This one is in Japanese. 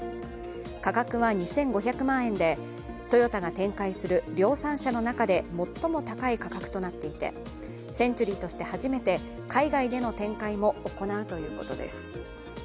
価格は２５００万円で、トヨタが展開する量産車の中で最も高い価格となっていて、センチュリーとして初めて海外での展開も行うということです。